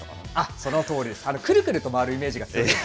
そのとおり、くるくると回るイメージが強い。